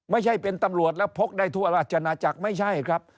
ไม่ใช่เป็นตำรวจแล้วพกได้ทั่วราชนาจักรไม่ใช่ครับ